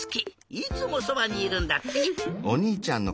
いつもそばにいるんだって。